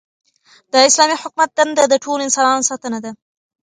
د اسلامي حکومت دنده د ټولو انسانانو ساتنه ده.